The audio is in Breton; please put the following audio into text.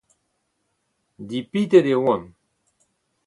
Dipitet e oan.